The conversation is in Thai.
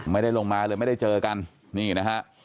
ไม่ได้ลงมาเลยไม่ได้เจอกันนี่นะฮะ